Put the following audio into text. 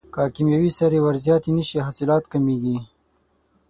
که کیمیاوي سرې ور زیاتې نشي حاصلات کمیږي.